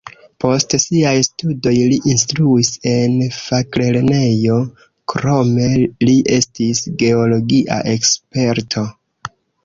Post siaj studoj li instruis en faklernejo, krome li estis geologia eksperto.